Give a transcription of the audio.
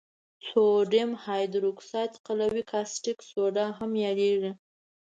سودیم هایدروکساید قلوي کاستیک سوډا هم یادیږي.